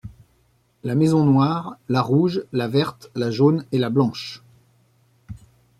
La maison Noire, la Rouge, la Verte, la Jaune et la Blanche.